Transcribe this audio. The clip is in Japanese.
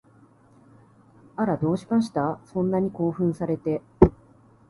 あら、どうしました？そんなに興奮されて